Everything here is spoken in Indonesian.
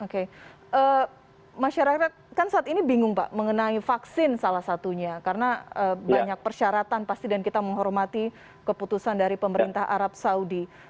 oke masyarakat kan saat ini bingung pak mengenai vaksin salah satunya karena banyak persyaratan pasti dan kita menghormati keputusan dari pemerintah arab saudi